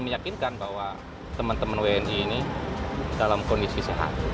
meyakinkan bahwa teman teman wni ini dalam kondisi sehat